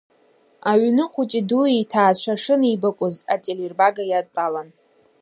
Аҩны хәыҷи-дуи иҭаацәа шынеибакәыз ателербага иадтәалан.